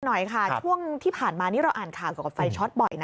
หน่อยค่ะช่วงที่ผ่านมานี่เราอ่านข่าวเกี่ยวกับไฟช็อตบ่อยนะ